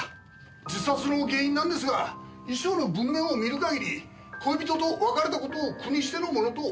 自殺の原因なんですが遺書の文面を見る限り恋人と別れた事を苦にしてのものと思われます。